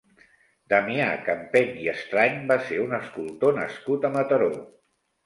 Damià Campeny i Estrany va ser un escultor nascut a Mataró.